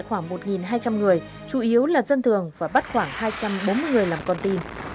khoảng một hai trăm linh người chủ yếu là dân thường và bắt khoảng hai trăm bốn mươi người làm con tin